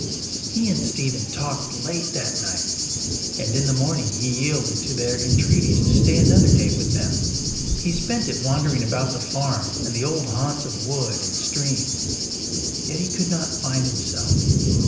He and Stephen talked late that night, and in the morning he yielded to their entreaties to stay another day with them. He spent it wandering about the farm and the old haunts of wood and stream. Yet he could not find himself.